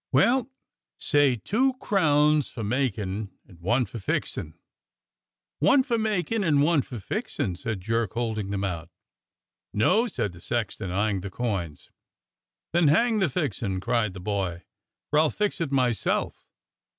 "Well, say two crowns for making and one for fixin'." 108 DOCTOR SYN "One for makin' and one for fixin'," said Jerk, hold ing them out. "No!" said the sexton, eying the coins. "Then hang the fixin'!" cried the boy, "for I'll fix it myself.